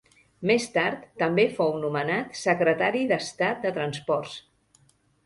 Més tard també fou nomenat Secretari d'Estat de Transports.